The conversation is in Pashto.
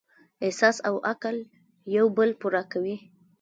احساس او عقل یو بل پوره کوي.